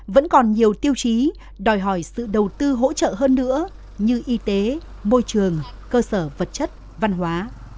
vẫn còn nhiều tiêu chí đòi hỏi sự đầu tư hỗ trợ hơn nữa như y tế môi trường cơ sở vật chất văn hóa